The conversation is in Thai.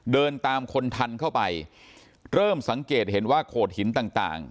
เดินตามคนทันเข้าไปเริ่มสังเกตเห็นว่าโขดหินต่างต่าง